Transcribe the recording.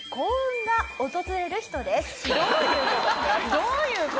どういう事？